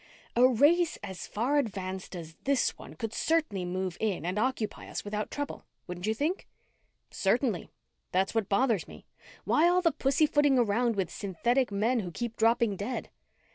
A race as far advanced as this one could certainly move in and occupy us without trouble. Wouldn't you think?" "Certainly. That's what bothers me. Why all the pussy footing around with synthetic men who keep dropping dead?"